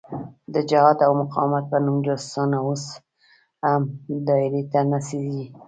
د جهاد او مقاومت په نوم جاسوسان اوس هم دایرې ته نڅېږي.